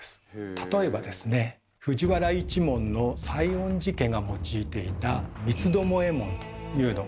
例えばですね藤原一門の西園寺家が用いていた「三つ巴紋」というのがあるんですね。